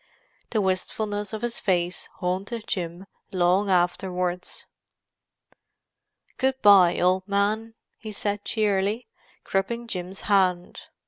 The wistfulness of his face haunted Jim long afterwards. "Good bye, old man," he said cheerily, gripping Jim's hand.